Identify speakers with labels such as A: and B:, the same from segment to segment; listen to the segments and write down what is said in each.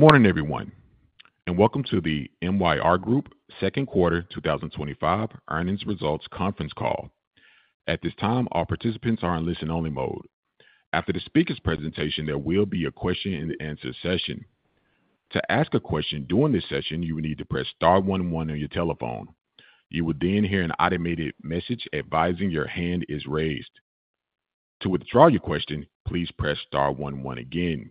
A: Good morning, everyone, and welcome to the MYR Group second quarter 2025 earnings results conference call. At this time, all participants are in listen-only mode. After the speaker's presentation, there will be a question-and-answer session. To ask a question during this session, you will need to press *11 on your telephone. You will then hear an automated message advising your hand is raised. To withdraw your question, please press *11 again.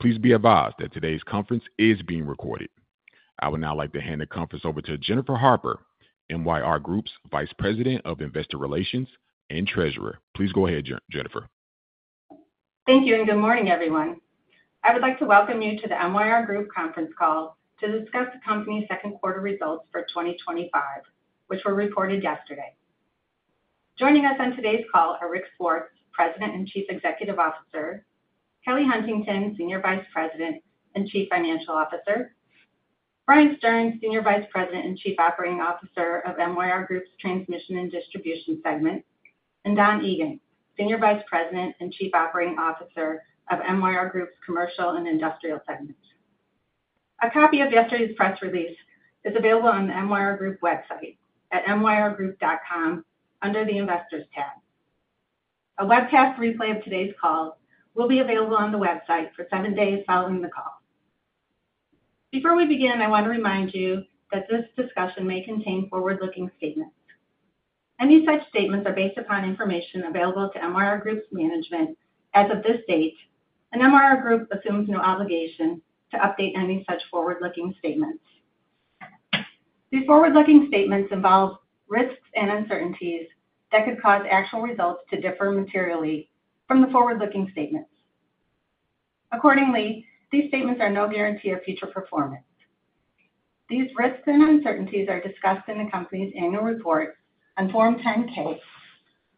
A: Please be advised that today's conference is being recorded. I would now like to hand the conference over to Jennifer Harper, MYR Group's Vice President of Investor Relations and Treasurer. Please go ahead, Jennifer.
B: Thank you, and good morning, everyone. I would like to welcome you to the MYR Group conference call to discuss the company's second quarter results for 2025, which were reported yesterday. Joining us on today's call are Richard Swartz, President and Chief Executive Officer; Kelly Huntington, Chief Financial Officer; Brian Stern, Chief Operating Officer, Transmission and Distribution; and Don Egan, Chief Operating Officer, Commercial and Industrial. A copy of yesterday's press release is available on the MYR Group website at myrgroup.com under the Investors tab. A webcast replay of today's call will be available on the website for seven days following the call. Before we begin, I want to remind you that this discussion may contain forward-looking statements. Any such statements are based upon information available to MYR Group's management as of this date, and MYR Group assumes no obligation to update any such forward-looking statements. These forward-looking statements involve risks and uncertainties that could cause actual results to differ materially from the forward-looking statements. Accordingly, these statements are no guarantee of future performance. These risks and uncertainties are discussed in the company's annual report on Form 10-K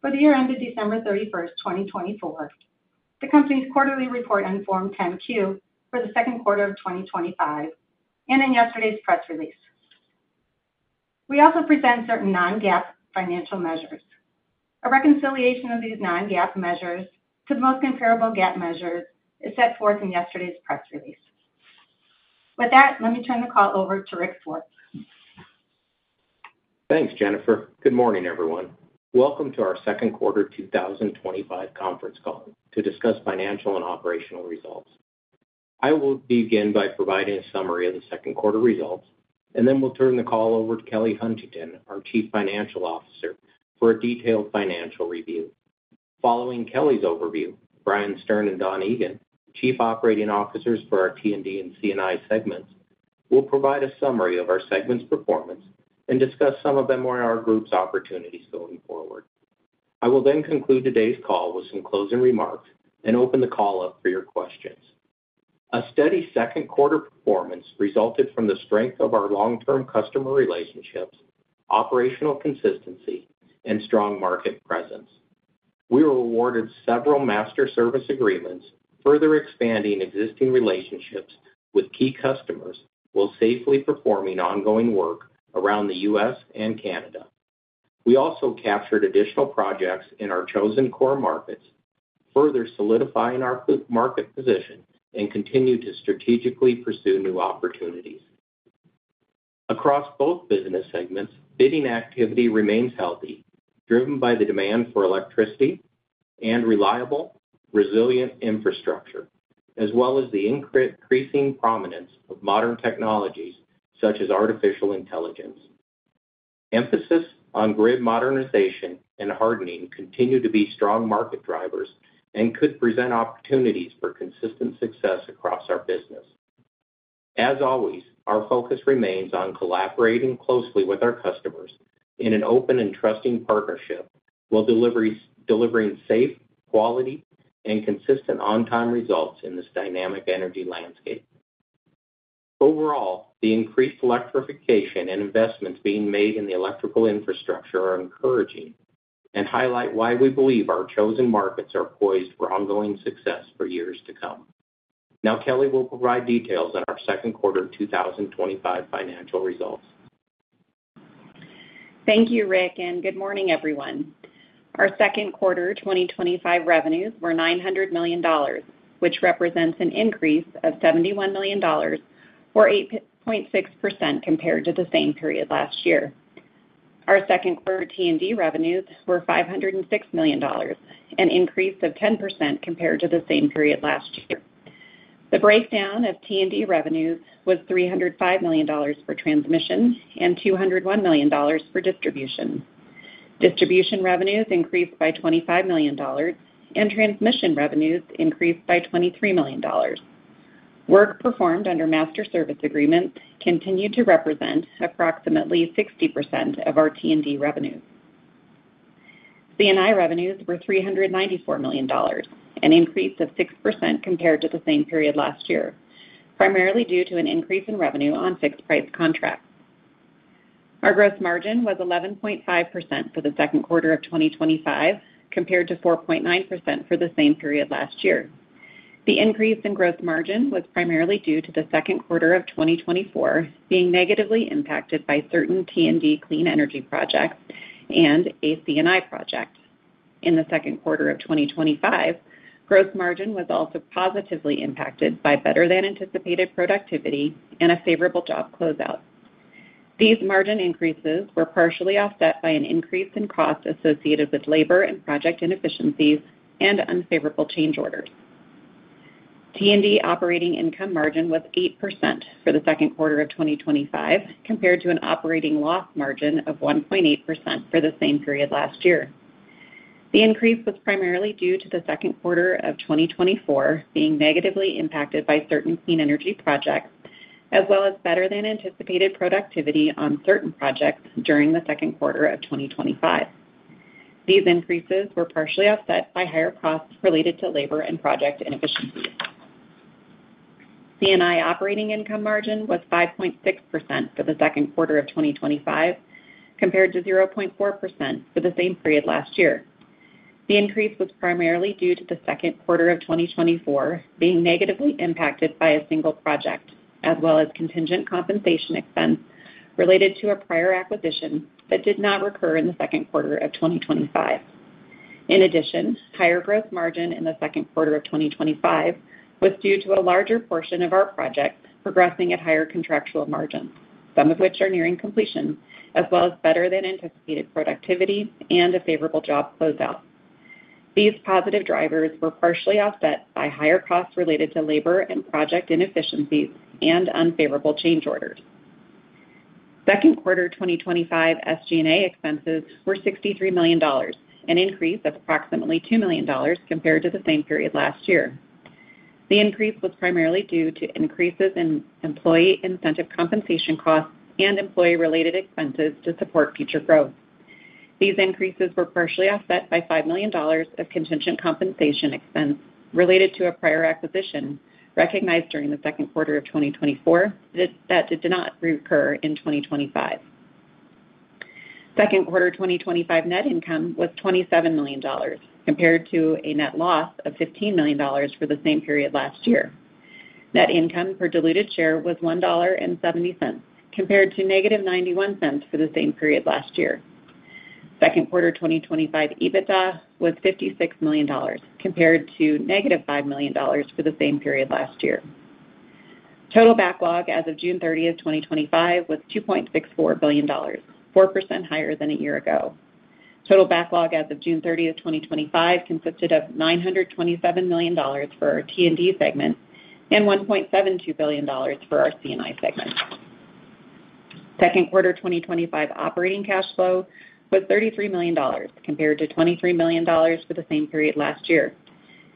B: for the year ended December 31st, 2024, the company's quarterly report on Form 10-Q for the second quarter of 2025, and in yesterday's press release. We also present certain non-GAAP financial measures. A reconciliation of these non-GAAP measures to the most comparable GAAP measures is set forth in yesterday's press release. With that, let me turn the call over to Richard Swartz.
C: Thanks, Jennifer. Good morning, everyone. Welcome to our second quarter 2025 conference call to discuss financial and operational results. I will begin by providing a summary of the second quarter results, and then we'll turn the call over to Kelly Huntington, our Chief Financial Officer, for a detailed financial review. Following Kelly's overview, Brian Stern and Don Egan, Chief Operating Officers for our T and D and Cand I segments, will provide a summary of our segment's performance and discuss some of MYR Group's opportunities going forward. I will then conclude today's call with some closing remarks and open the call up for your questions. A steady second quarter performance resulted from the strength of our long-term customer relationships, operational consistency, and strong market presence. We were awarded several master service agreements, further expanding existing relationships with key customers while safely performing ongoing work around the U.S. and Canada. We also captured additional projects in our chosen core markets, further solidifying our market position and continue to strategically pursue new opportunities. Across both business segments, bidding activity remains healthy, driven by the demand for electricity and reliable, resilient infrastructure, as well as the increasing prominence of modern technologies such as artificial intelligence. Emphasis on grid modernization and hardening continue to be strong market drivers and could present opportunities for consistent success across our business. As always, our focus remains on collaborating closely with our customers in an open and trusting partnership while delivering safe, quality, and consistent on-time results in this dynamic energy landscape. Overall, the increased electrification and investments being made in the electrical infrastructure are encouraging and highlight why we believe our chosen markets are poised for ongoing success for years to come. Now, Kelly will provide details on our second quarter 2025 financial results.
D: Thank you, Rick, and good morning, everyone. Our second quarter 2025 revenues were $900 million, which represents an increase of $71 million, or 8.6% compared to the same period last year. Our second quarter T and D revenues were $506 million, an increase of 10% compared to the same period last year. The breakdown of T and D revenue was $305 million for transmission and $201 million for distribution. Distribution revenues increased by $25 million, and transmission revenues increased by $23 million. Work performed under master service agreements continued to represent approximately 60% of our T and D revenues. C and I revenues were $394 million, an increase of 6% compared to the same period last year, primarily due to an increase in revenue on fixed-price contracts. Our gross margin was 11.5% for the second quarter of 2025, compared to 4.9% for the same period last year. The increase in gross margin was primarily due to the second quarter of 2024 being negatively impacted by certain Tand D clean energy projects and a C and I project. In the second quarter of 2025, gross margin was also positively impacted by better-than-anticipated productivity and a favorable job closeout. These margin increases were partially offset by an increase in costs associated with labor and project inefficiencies and unfavorable change orders. T and D operating income margin was 8% for the second quarter of 2025, compared to an operating loss margin of 1.8% for the same period last year. The increase was primarily due to the second quarter of 2024 being negatively impacted by certain clean energy projects, as well as better-than-anticipated productivity on certain projects during the second quarter of 2025. These increases were partially offset by higher costs related to labor and project inefficiencies. C and I operating income margin was 5.6% for the second quarter of 2025, compared to 0.4% for the same period last year. The increase was primarily due to the second quarter of 2024 being negatively impacted by a single project, as well as contingent compensation expense related to a prior acquisition that did not recur in the second quarter of 2025. In addition, higher gross margin in the second quarter of 2025 was due to a larger portion of our projects progressing at higher contractual margins, some of which are nearing completion, as well as better-than-anticipated productivity and a favorable job closeout. These positive drivers were partially offset by higher costs related to labor and project inefficiencies and unfavorable change orders. Second quarter 2025 SG and A expenses were $63 million, an increase of approximately $2 million compared to the same period last year. The increase was primarily due to increases in employee incentive compensation costs and employee-related expenses to support future growth. These increases were partially offset by $5 million of contingent compensation expense related to a prior acquisition recognized during the second quarter of 2024 that did not recur in 2025. Second quarter 2025 net income was $27 million, compared to a net loss of $15 million for the same period last year. Net income per diluted share was $1.70, compared to -$0.91 for the same period last year. Second quarter 2025 EBITDA was $56 million, compared to -$5 million for the same period last year. Total backlog as of June 30th, 2025 was $2.64 billion, 4% higher than a year ago. Total backlog as of June 30th, 2025 consisted of $927 million for our T and D segment and $1.72 billion for our C and I segment. Second quarter 2025 operating cash flow was $33 million, compared to $23 million for the same period last year.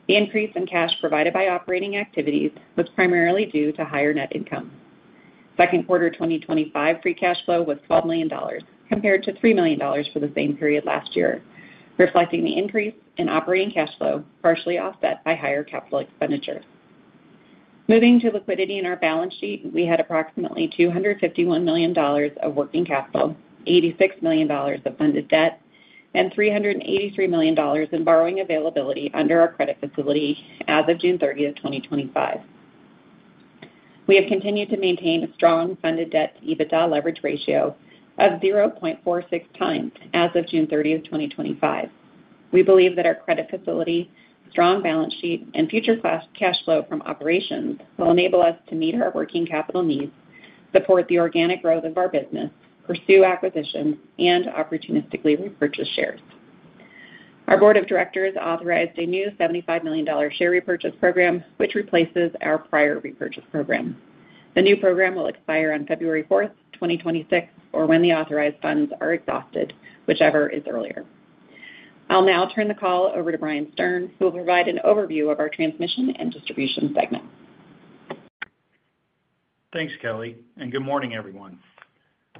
D: The increase in cash provided by operating activities was primarily due to higher net income. Second quarter 2025 free cash flow was $12 million, compared to $3 million for the same period last year, reflecting the increase in operating cash flow partially offset by higher capital expenditures. Moving to liquidity in our balance sheet, we had approximately $251 million of working capital, $86 million of funded debt, and $383 million in borrowing availability under our credit facility as of June 30th, 2025. We have continued to maintain a strong funded debt to EBITDA leverage ratio of 0.46 times as of June 30th, 2025. We believe that our credit facility, strong balance sheet, and future cash flow from operations will enable us to meet our working capital needs, support the organic growth of our business, pursue acquisitions, and opportunistically repurchase shares. Our board of directors authorized a new $75 million share repurchase program, which replaces our prior repurchase program. The new program will expire on February 4th, 2026, or when the authorized funds are exhausted, whichever is earlier. I'll now turn the call over to Brian Stern, who will provide an overview of our transmission and distribution segment.
E: Thanks, Kelly, and good morning, everyone.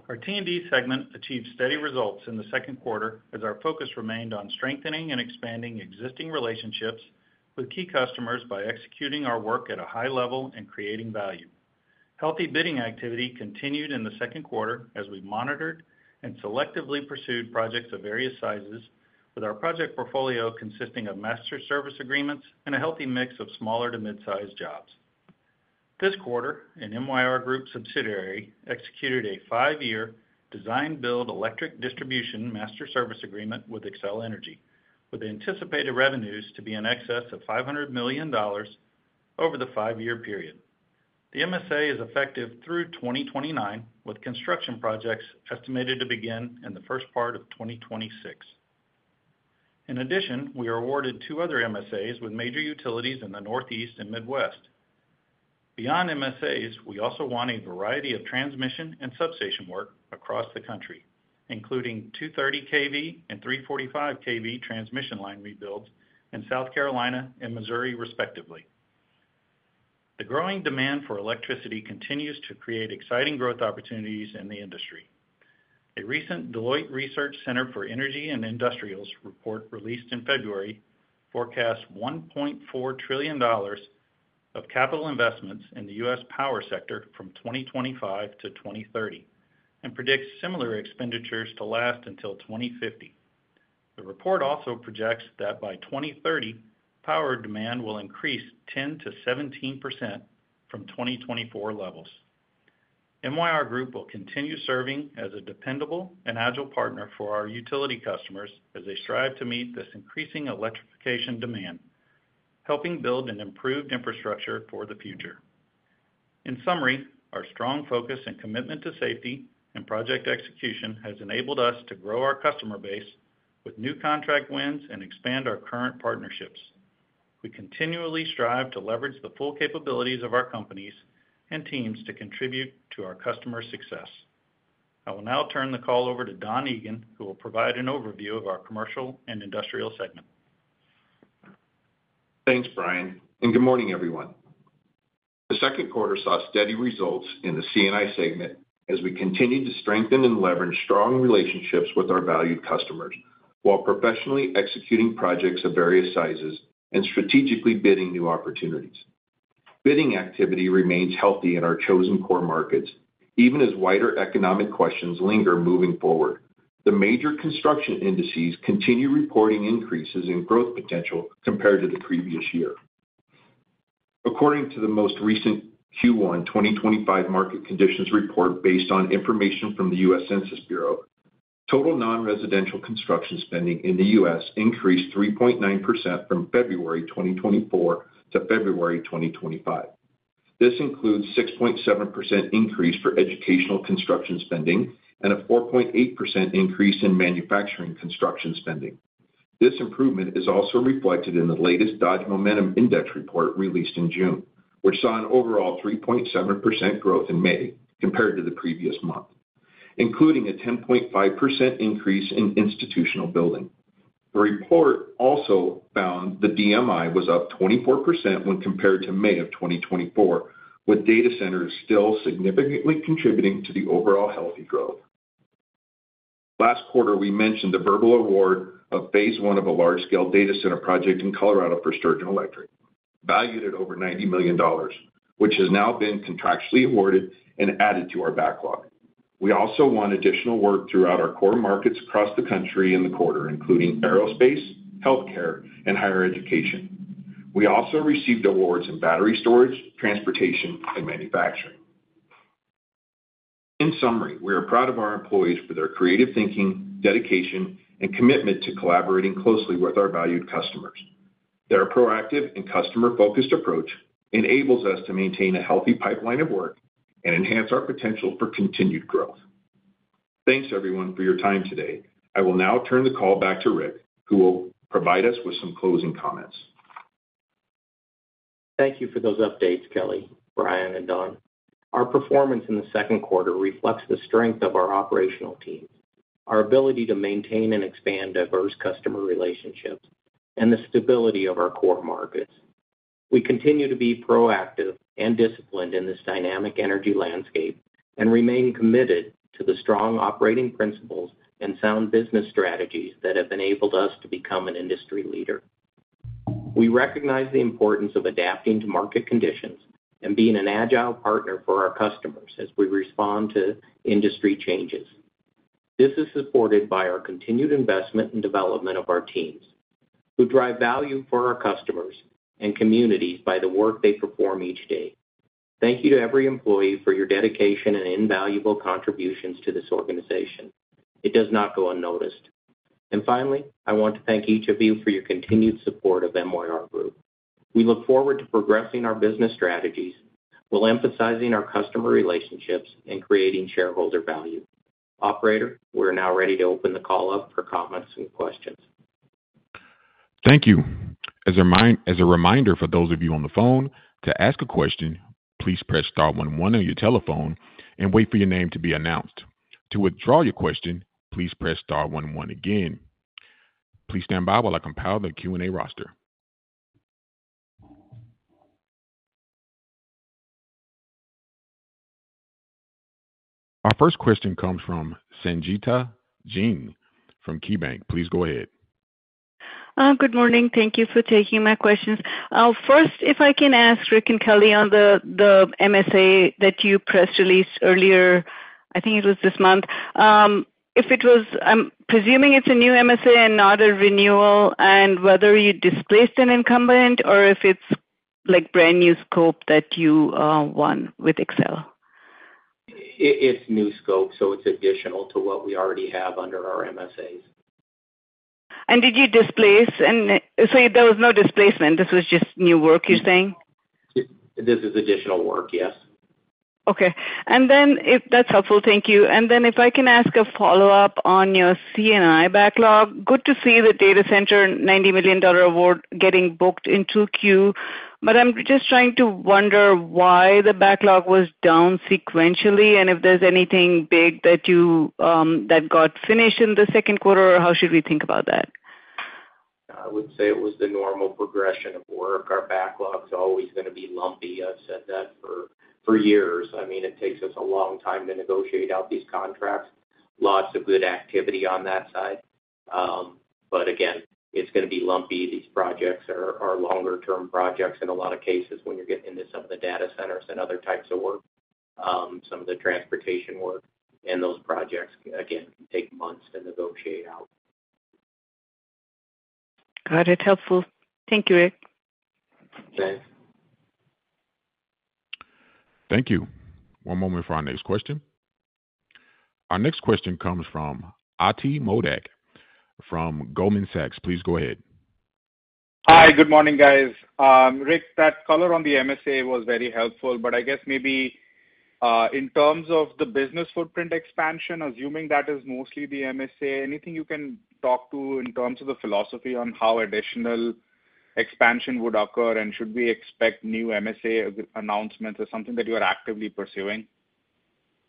E: Our T and D segment achieved steady results in the second quarter as our focus remained on strengthening and expanding existing relationships with key customers by executing our work at a high level and creating value. Healthy bidding activity continued in the second quarter as we monitored and selectively pursued projects of various sizes, with our project portfolio consisting of master service agreements and a healthy mix of smaller to mid-sized jobs. This quarter, an MYR Group subsidiary executed a five-year design-build electric distribution master service agreement with Xcel Energy, with anticipated revenues to be in excess of $500 million over the five-year period. The MSA is effective through 2029, with construction projects estimated to begin in the first part of 2026. In addition, we were awarded two other MSAs with major utilities in the Northeast and Midwest. Beyond MSAs, we also won a variety of transmission and substation work across the country, including 230 kV and 345 kV transmission line rebuilds in South Carolina and Missouri, respectively. The growing demand for electricity continues to create exciting growth opportunities in the industry. A recent Deloitte Research Center for Energy and Industrials report released in February forecasts $1.4 trillion of capital investments in the U.S. power sector from 2025 to 2030 and predicts similar expenditures to last until 2050. The report also projects that by 2030, power demand will increase 10% to 17% from 2024 levels. MYR Group will continue serving as a dependable and agile partner for our utility customers as they strive to meet this increasing electrification demand, helping build an improved infrastructure for the future. In summary, our strong focus and commitment to safety and project execution has enabled us to grow our customer base with new contract wins and expand our current partnerships. We continually strive to leverage the full capabilities of our companies and teams to contribute to our customer success. I will now turn the call over to Don Egan, who will provide an overview of our Commercial and Industrial segment.
F: Thanks, Brian, and good morning, everyone. The second quarter saw steady results in the C and I segment as we continued to strengthen and leverage strong relationships with our valued customers while professionally executing projects of various sizes and strategically bidding new opportunities. Bidding activity remains healthy in our chosen core markets, even as wider economic questions linger moving forward. The major construction indices continue reporting increases in growth potential compared to the previous year. According to the most recent Q1 2025 market conditions report based on information from the U.S. Census Bureau, total non-residential construction spending in the U.S. increased 3.9% from February 2024 to February 2025. This includes a 6.7% increase for educational construction spending and a 4.8% increase in manufacturing construction spending. This improvement is also reflected in the latest Dodge Momentum Index report released in June, which saw an overall 3.7% growth in May compared to the previous month, including a 10.5% increase in institutional building. The report also found the DMI was up 24% when compared to May of 2024, with data centers still significantly contributing to the overall healthy growth. Last quarter, we mentioned the verbal award of phase one of a large-scale data center project in Colorado for Sturgeon Electric, valued at over $90 million, which has now been contractually awarded and added to our backlog. We also won additional work throughout our core markets across the country in the quarter, including aerospace, healthcare, and higher education. We also received awards in battery storage, transportation, and manufacturing. In summary, we are proud of our employees for their creative thinking, dedication, and commitment to collaborating closely with our valued customers. Their proactive and customer-focused approach enables us to maintain a healthy pipeline of work and enhance our potential for continued growth. Thanks, everyone, for your time today. I will now turn the call back to Rick, who will provide us with some closing comments.
C: Thank you for those updates, Kelly, Brian, and Don. Our performance in the second quarter reflects the strength of our operational teams, our ability to maintain and expand diverse customer relationships, and the stability of our core markets. We continue to be proactive and disciplined in this dynamic energy landscape and remain committed to the strong operating principles and sound business strategies that have enabled us to become an industry leader. We recognize the importance of adapting to market conditions and being an agile partner for our customers as we respond to industry changes. This is supported by our continued investment and development of our teams, who drive value for our customers and communities by the work they perform each day. Thank you to every employee for your dedication and invaluable contributions to this organization. It does not go unnoticed. Finally, I want to thank each of you for your continued support of MYR Group. We look forward to progressing our business strategies while emphasizing our customer relationships and creating shareholder value. Operator, we are now ready to open the call up for comments and questions.
A: Thank you. As a reminder for those of you on the phone, to ask a question, please press *11 on your telephone and wait for your name to be announced. To withdraw your question, please press *11 again. Please stand by while I compile the Q&A roster. Our first question comes from Sangita Jain from KeyBanc. Please go ahead.
G: Good morning. Thank you for taking my questions. First, if I can ask Rick and Kelly on the MSA that you press-released earlier, I think it was this month. I'm presuming it's a new MSA and not a renewal, and whether you displaced an incumbent or if it's like brand new scope that you won with Xcel.
C: It's new scope, so it's additional to what we already have under our MSAs.
G: Did you displace? There was no displacement. This was just new work, you're saying?
C: This is additional work, yes.
G: Okay, that's helpful, thank you. If I can ask a follow-up on your C and I backlog, good to see the data center $90 million award getting booked into Q, but I'm just trying to wonder why the backlog was down sequentially and if there's anything big that you got finished in the second quarter or how should we think about that?
C: I would say it was the normal progression of work. Our backlog's always going to be lumpy. I've said that for years. I mean, it takes us a long time to negotiate out these contracts. Lots of good activity on that side, but again, it's going to be lumpy. These projects are longer-term projects in a lot of cases when you're getting into some of the data centers and other types of work. Some of the transportation work and those projects, again, can take months to negotiate out.
G: Got it. Helpful. Thank you, Rick.
C: Thanks.
A: Thank you. One moment for our next question. Our next question comes from Atidrip Modak from Goldman Sachs. Please go ahead.
H: Hi. Good morning, guys. Rick, that color on the MSA was very helpful. I guess maybe, in terms of the business footprint expansion, assuming that is mostly the MSA, anything you can talk to in terms of the philosophy on how additional expansion would occur, and should we expect new MSA announcements or something that you are actively pursuing?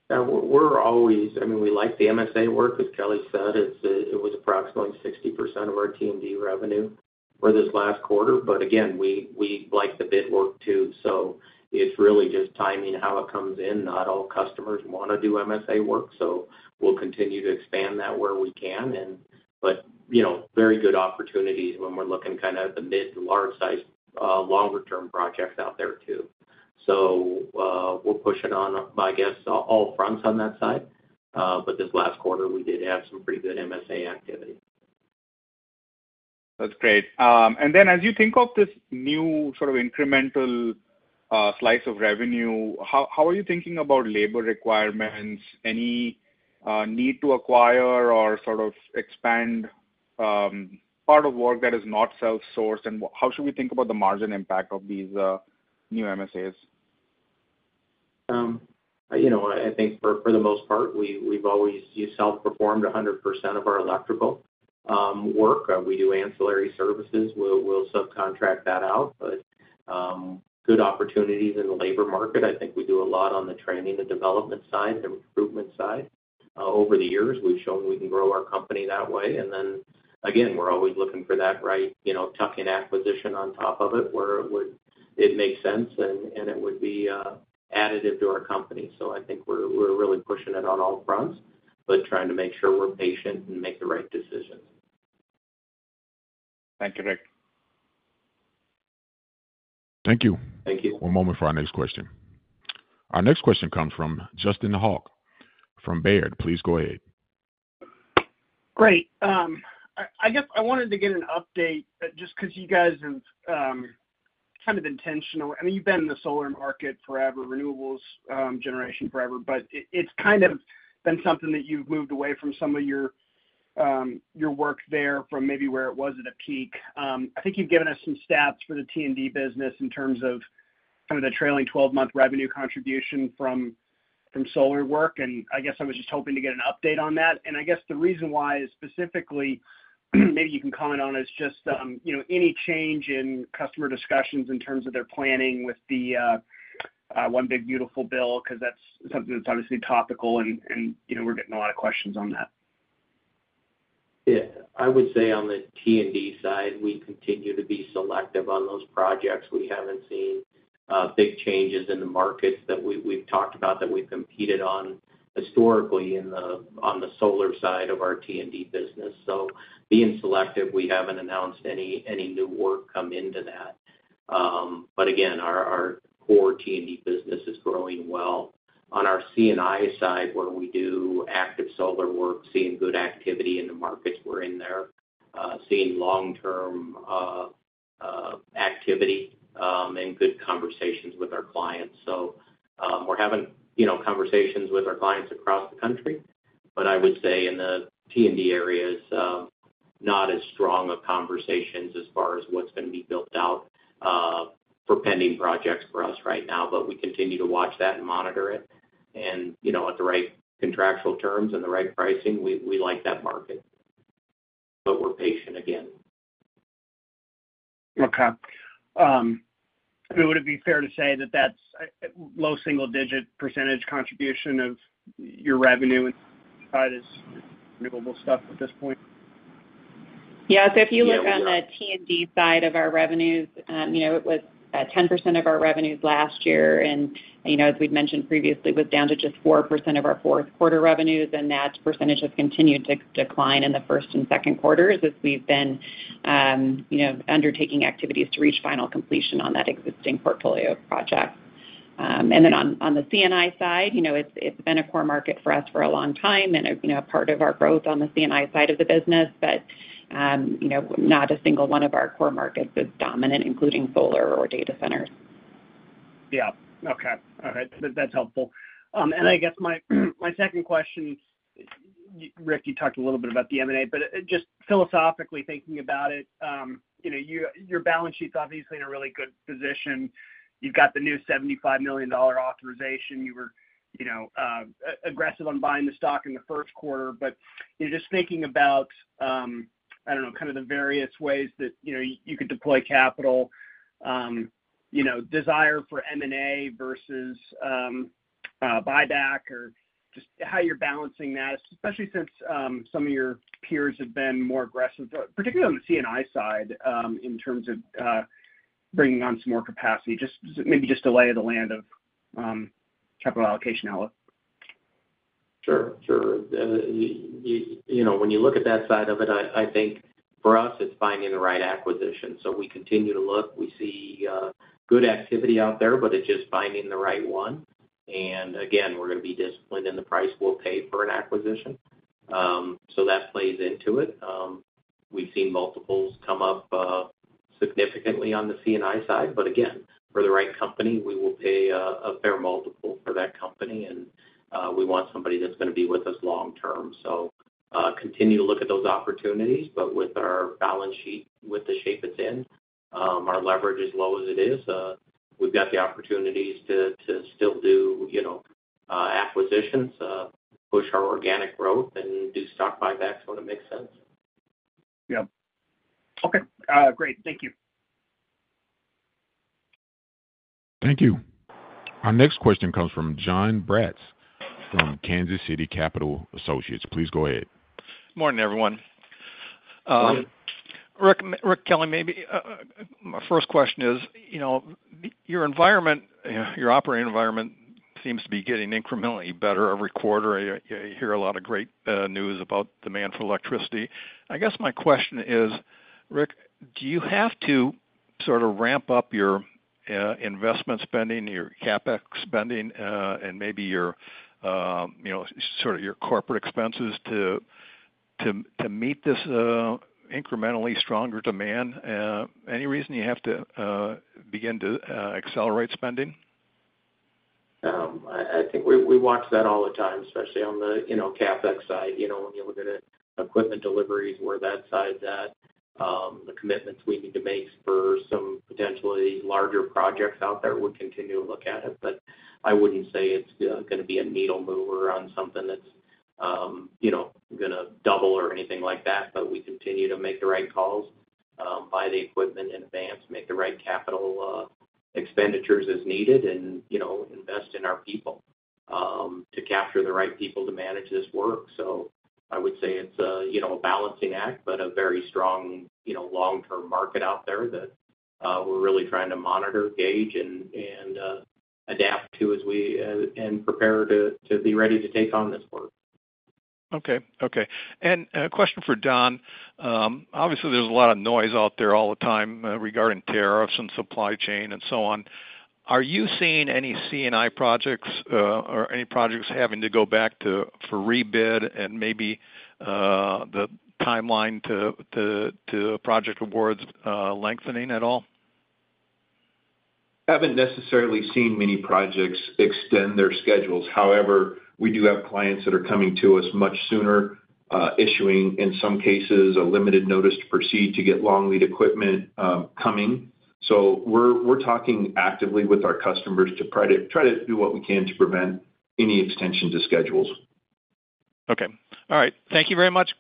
C: Yeah, we're always, I mean, we like the MSA work. As Kelly said, it was approximately 60% of our T and D revenue for this last quarter. We like the bid work too. It's really just timing how it comes in. Not all customers want to do MSA work. We'll continue to expand that where we can. You know, very good opportunities when we're looking kind of at the mid to large-sized, longer-term projects out there too. We're pushing on, I guess, all fronts on that side. This last quarter, we did have some pretty good MSA activity.
H: That's great. As you think of this new sort of incremental slice of revenue, how are you thinking about labor requirements? Any need to acquire or sort of expand part of work that is not self-sourced? How should we think about the margin impact of these new MSAs?
C: I think for the most part, we've always self-performed 100% of our electrical work. We do ancillary services. We'll subcontract that out. Good opportunities in the labor market. I think we do a lot on the training and development side, the recruitment side. Over the years, we've shown we can grow our company that way. We're always looking for that, right? You know, tuck in acquisition on top of it where it would, it makes sense and it would be additive to our company. I think we're really pushing it on all fronts, but trying to make sure we're patient and make the right decisions.
H: Thank you, Rick.
A: Thank you.
H: Thank you.
A: One moment for our next question. Our next question comes from Justin Hauke from Baird. Please go ahead.
I: Great. I guess I wanted to get an update just because you guys have kind of intentional, I mean, you've been in the solar market forever, renewables generation forever, but it's kind of been something that you've moved away from some of your work there from maybe where it was at a peak. I think you've given us some stats for the T and D business in terms of kind of the trailing 12-month revenue contribution from solar work. I guess I was just hoping to get an update on that. The reason why is specifically, maybe you can comment on it, is just, you know, any change in customer discussions in terms of their planning with the One Big Beautiful Bill because that's something that's obviously topical and, you know, we're getting a lot of questions on that.
C: Yeah. I would say on the T and D side, we continue to be selective on those projects. We haven't seen big changes in the markets that we've talked about that we've competed on historically on the solar side of our T and D business. Being selective, we haven't announced any new work come into that. Again, our core T and D business is growing well. On our C and I side, where we do active solar work, seeing good activity in the markets we're in there, seeing long-term activity and good conversations with our clients. We're having conversations with our clients across the country. I would say in the T and D areas, not as strong of conversations as far as what's going to be built out for pending projects for us right now. We continue to watch that and monitor it. At the right contractual terms and the right pricing, we like that market. We're patient again.
I: Okay. I mean, would it be fair to say that that's a low single-digit % contribution of your revenue side is renewables at this point?
D: Yeah. If you look on the T and D side of our revenues, it was at 10% of our revenues last year. As we'd mentioned previously, it was down to just 4% of our fourth quarter revenues. That percentage has continued to decline in the first and second quarters as we've been undertaking activities to reach final completion on that existing portfolio of projects. On the C and I side, it's been a core market for us for a long time and a part of our growth on the C and I side of the business. Not a single one of our core markets is dominant, including solar or data centers.
I: Yeah. Okay. All right. That's helpful. I guess my second question, Rick, you talked a little bit about the M&A, but just philosophically thinking about it, your balance sheet's obviously in a really good position. You've got the new $75 million authorization. You were aggressive on buying the stock in the first quarter. Just thinking about the various ways that you could deploy capital, desire for M&A versus buyback or just how you're balancing that, especially since some of your peers have been more aggressive, particularly on the C and I side, in terms of bringing on some more capacity, maybe just delay the land of capital allocation outlet.
C: Sure. You know, when you look at that side of it, I think for us, it's finding the right acquisition. We continue to look. We see good activity out there, but it's just finding the right one. We're going to be disciplined in the price we'll pay for an acquisition, so that plays into it. We've seen multiples come up significantly on the C and I side. For the right company, we will pay a fair multiple for that company. We want somebody that's going to be with us long term. We continue to look at those opportunities. With our balance sheet, with the shape it's in, our leverage is low as it is. We've got the opportunities to still do acquisitions, push our organic growth, and do stock buybacks when it makes sense.
I: Yeah, okay. Great, thank you.
A: Thank you. Our next question comes from Jon Braatz from KCCA. Please go ahead.
J: Morning, everyone.
C: Morning.
J: Rick, Kelly, maybe my first question is, you know, your environment, your operating environment seems to be getting incrementally better every quarter. I hear a lot of great news about demand for electricity. I guess my question is, Rick, do you have to sort of ramp up your investment spending, your CapEx spending, and maybe your, you know, sort of your corporate expenses to meet this incrementally stronger demand? Any reason you have to begin to accelerate spending?
C: I think we watch that all the time, especially on the, you know, CapEx side. When you look at it, equipment deliveries, where that side's at, the commitments we need to make for some potentially larger projects out there, we continue to look at it. I wouldn't say it's going to be a needle mover on something that's going to double or anything like that. We continue to make the right calls, buy the equipment in advance, make the right capital expenditures as needed, and invest in our people to capture the right people to manage this work. I would say it's a balancing act, but a very strong, long-term market out there that we're really trying to monitor, gauge, and adapt to as we prepare to be ready to take on this work.
J: Okay. A question for Don. Obviously, there's a lot of noise out there all the time regarding tariffs and supply chain and so on. Are you seeing any C and I projects, or any projects having to go back for rebid and maybe the timeline to project awards lengthening at all?
F: I haven't necessarily seen many projects extend their schedules. However, we do have clients that are coming to us much sooner, issuing, in some cases, a limited notice to proceed to get long-lead equipment coming. We're talking actively with our customers to try to do what we can to prevent any extension to schedules.
J: Okay. All right. Thank you very much.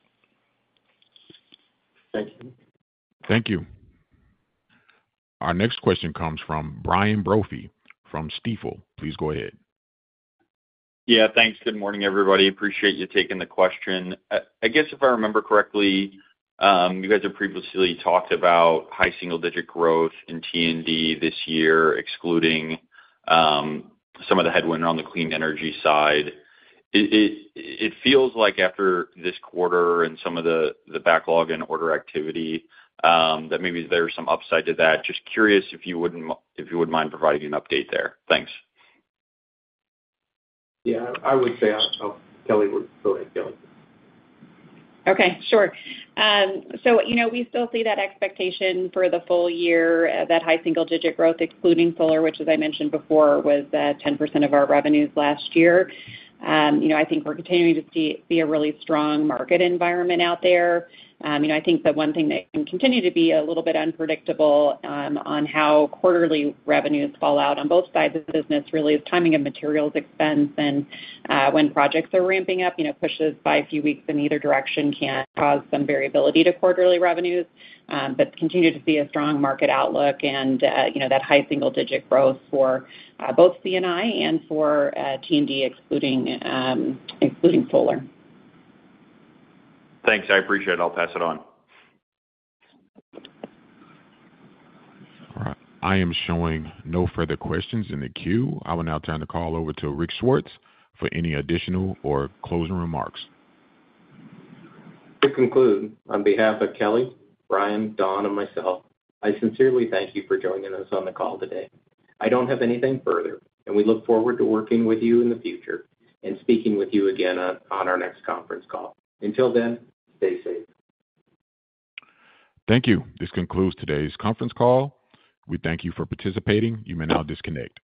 C: Thank you.
A: Thank you. Our next question comes from Brian Brophy from Stifel. Please go ahead.
K: Thanks. Good morning, everybody. Appreciate you taking the question. I guess if I remember correctly, you guys have previously talked about high single-digit growth in T and D this year, excluding some of the headwinds on the clean energy side. It feels like after this quarter and some of the backlog and order activity, that maybe there's some upside to that. Just curious if you wouldn't mind providing an update there. Thanks.
C: Yeah. I would say, Kelly, go ahead, Kelly.
D: Okay. Sure. You know we still see that expectation for the full year, that high single-digit growth, excluding solar, which, as I mentioned before, was 10% of our revenues last year. You know, I think we're continuing to see a really strong market environment out there. I think the one thing that can continue to be a little bit unpredictable on how quarterly revenues fall out on both sides of the business really is timing of materials expense. When projects are ramping up, pushes by a few weeks in either direction can cause some variability to quarterly revenues. We continue to see a strong market outlook and, you know, that high single-digit growth for both C and I and for T and D, excluding solar.
K: Thanks. I appreciate it. I'll pass it on.
A: All right. I am showing no further questions in the queue. I will now turn the call over to Richard Swartz for any additional or closing remarks.
C: To conclude, on behalf of Kelly, Brian, Don, and myself, I sincerely thank you for joining us on the call today. I don't have anything further, and we look forward to working with you in the future and speaking with you again on our next conference call. Until then, stay safe.
A: Thank you. This concludes today's conference call. We thank you for participating. You may now disconnect.